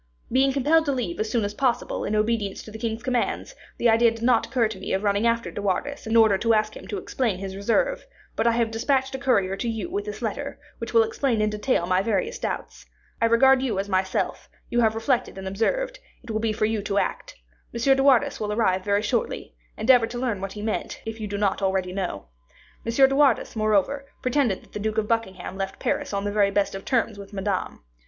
Being compelled to leave as soon as possible, in obedience to the king's commands, the idea did not occur to me of running after De Wardes in order to ask him to explain his reserve; but I have dispatched a courier to you with this letter, which will explain in detail my various doubts. I regard you as myself; you have reflected and observed; it will be for you to act. M. de Wardes will arrive very shortly; endeavor to learn what he meant, if you do not already know. M. de Wardes, moreover, pretended that the Duke of Buckingham left Paris on the very best of terms with Madame.